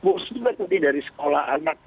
kursi juga tadi dari sekolah anak